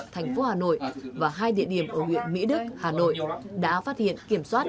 thành phố hà nội và hai địa điểm ở huyện mỹ đức hà nội đã phát hiện kiểm soát